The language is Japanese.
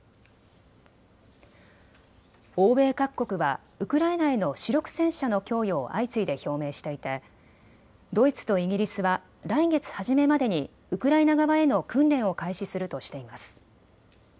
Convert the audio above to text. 欧米各国はウクライナへの主力戦車の供与を相次いで表明していてドイツとイギリスは来月初めまでにウクライナ側への訓練を開始するとしています。